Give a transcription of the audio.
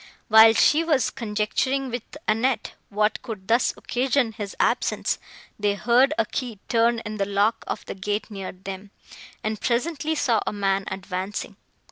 While she was conjecturing with Annette what could thus occasion his absence, they heard a key turn in the lock of the gate near them, and presently saw a man advancing.